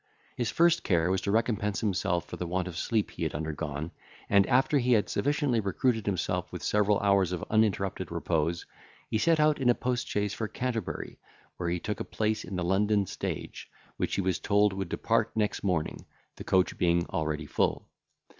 His first care was to recompense himself for the want of sleep he had undergone, and, after he had sufficiently recruited himself with several hours of uninterrupted repose, he set out in a post chaise for Canterbury, where he took a place in the London stage, which he was told would depart next morning, the coach being already full.